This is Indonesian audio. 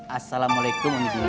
assalamualaikum undi dinda